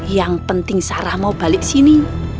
yang penting sarah mau balik sini